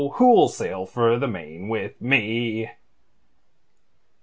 Who'll sail for the Main with me?"